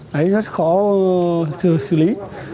đấy rất khó xử lý